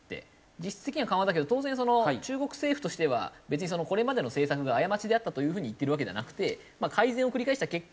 実質的には緩和だけど当然中国政府としては別にこれまでの政策が過ちであったというふうに言ってるわけではなくて改善を繰り返した結果